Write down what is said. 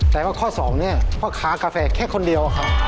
แต่ว่าข้อสองเนี่ยเพราะขากาแฟแค่คนเดียวค่ะ